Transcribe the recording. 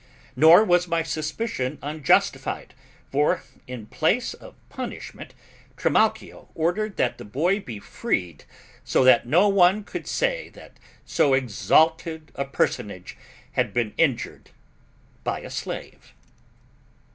Nor was my suspicion unjustified, for in place of punishment, Trimalchio ordered that the boy be freed, so that no one could say that so exalted a personage had been injured by a slave.